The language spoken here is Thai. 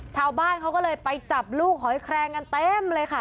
ชาวบ้านเขาก็เลยไปจับลูกหอยแครงกันเต็มเลยค่ะ